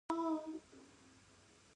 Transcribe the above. ایا زه باید کړکۍ خلاصه پریږدم؟